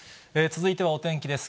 続いてはお天気です。